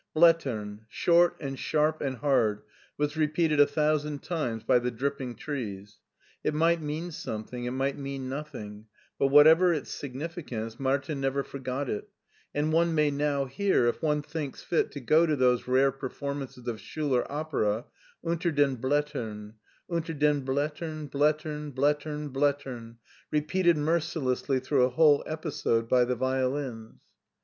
"Slattern,'* short and sharp and hard, was repeated a thousand times by the dripping trees. It might mean something, it might mean nothing; but whatever its significance, Martin never forgot it, and one may now hear, if one thinks fit to go to those rare performances of Schuler opera, " unter den Slattern," " unter den Slattern, Slattern, Slattern, Slattern," repeated mercilessly through a whole episode by the violins.